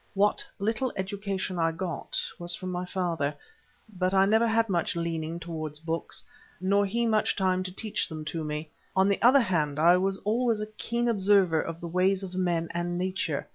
What little education I got was from my father, but I never had much leaning towards books, nor he much time to teach them to me. On the other hand, I was always a keen observer of the ways of men and nature.